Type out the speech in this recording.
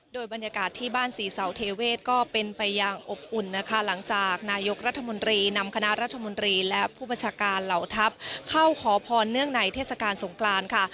โดยบรรยากาศที่บ้านศรีเสาเทเวศก็เป็นไปอย่างอบอุ่นนะคะหลังจากนายกรัฐมนตรีนำคณะรัฐมนตรีและผู้บัญชาการเหล่าทัพเข้าขอพรเนื่องในเทศกาลสงกรานค่ะ